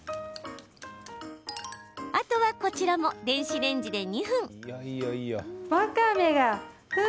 あとはこちらも電子レンジで２分。